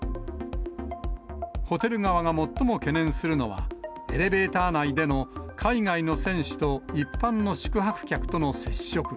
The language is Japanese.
ホテル側が最も懸念するのは、エレベーター内での海外の選手と一般の宿泊客との接触。